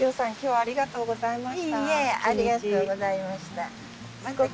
ありがとうございます。